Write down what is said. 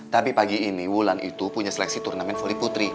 tapi pagi ini wulan itu punya seleksi turnamen volley putri